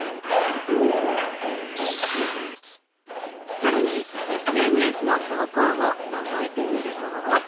さらにＳＮＳの投稿をのぞいてみると。